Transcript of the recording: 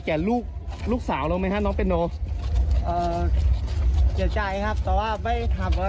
จะไม่ได้ไม่รู้อะไรเลยเจ้าผีหลอกก็ถึงมา